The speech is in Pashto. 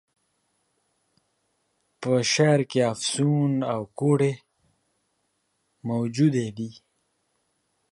په شعر کي افسون او کوډې موجودي دي.